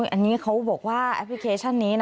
อันนี้เขาบอกว่าแอปพลิเคชันนี้นะ